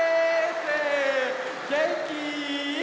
げんき？